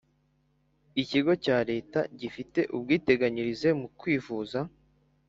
ikigo cya leta gifite ubwiteganyirize mu kwivuza